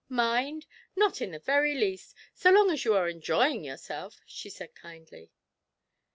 'Mind? Not in the very least, so long as you are enjoying yourself,' she said kindly.